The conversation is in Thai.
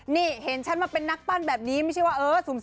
นี่เห็นฉันมาเป็นนักปั้นแบบนี้ไม่ใช่ว่าเออ